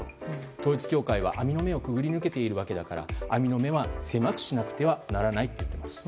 統一教会は網の目をくぐり抜けているわけだから網の目は狭くしなくてはならないと言っています。